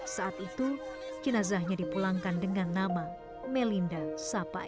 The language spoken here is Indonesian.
saat itu jenazahnya dipulangkan dengan nama melinda sapai